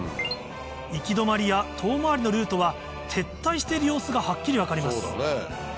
行き止まりや遠回りのルートは撤退してる様子がはっきり分かります